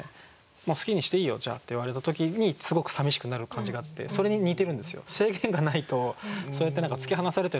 「もう好きにしていいよじゃあ」って言われた時にすごくさみしくなる感じがあってそれに似てるんですよ。